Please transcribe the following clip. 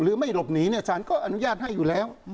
หรือไม่หลบหนีเนี่ยสารก็อนุญาตให้อยู่แล้ว